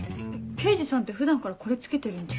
刑事さんって普段からこれ着けてるんじゃ？